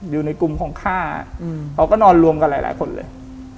อยู่ในกลุ่มของข้าเขาก็นอนรวมกันหลายคนเลย